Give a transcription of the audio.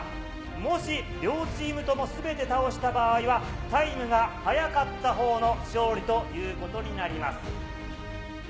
もし両チームともすべて倒した場合は、タイムが速かったほうの勝利ということになります。